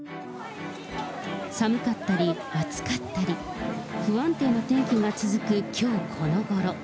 寒かったり、暑かったり、不安定な天気が続くきょうこの頃。